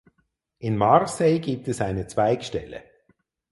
In Marseille gibt es eine Zweigstelle.